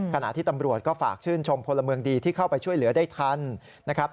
ขณะที่ตำรวจก็ฝากชื่นชมพลเมืองดีที่เข้าไปช่วยเหลือได้ทันนะครับ